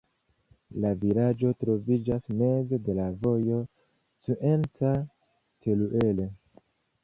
La vilaĝo troviĝas meze de la vojo Cuenca-Teruel.